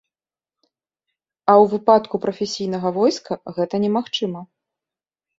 А ў выпадку прафесійнага войска гэта немагчыма.